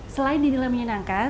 selain dinilai menyenangkan